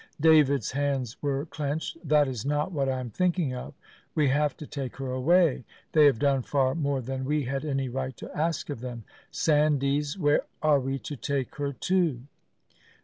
David's hands were clenched. "That is not what I am thinking of. We have to take her away; they have done far more than we had any right to ask of them. Sandys, where are we to take her to?"